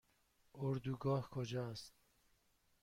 اردوگاه کجا است؟